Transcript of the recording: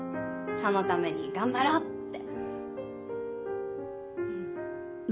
そのために頑張ろうって。